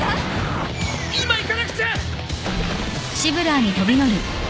今行かなくちゃ！